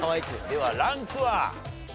ではランクは？